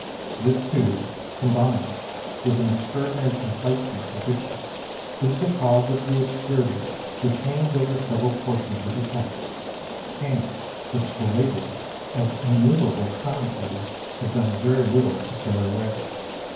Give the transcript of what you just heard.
This, too, combined with an extra n ordinary conciseness ot diction, is the cause ol the obscurity which hangs over several portions of the text, and which the labours of innumer able commentators have done very little to clear away.